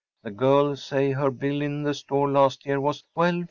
The girls say her bill in the store last year was $12,000.